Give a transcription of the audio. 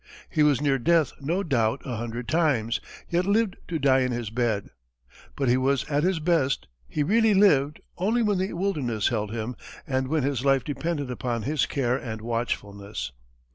He was near death no doubt a hundred times, yet lived to die in his bed. But he was at his best, he really lived, only when the wilderness held him and when his life depended upon his care and watchfulness.